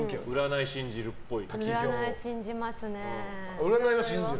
占い信じるっぽい。